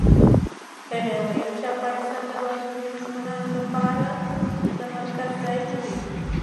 هغه ویلي، افغانستان د بهرنیو دښمنانو لپاره د مرکز ځای نه دی.